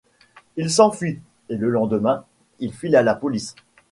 Il s’enfuit, et le lendemain, il file à la police.